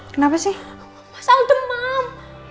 kenapa sih mas al demam